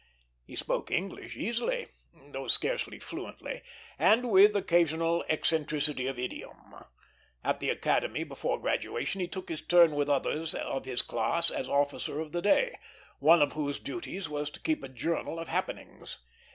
He spoke English easily, though scarcely fluently, and with occasional eccentricity of idiom. At the Academy, before graduation, he took his turn with others of his class as officer of the day, one of whose duties was to keep a journal of happenings.